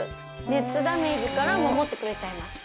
熱ダメージから守ってくれちゃいます。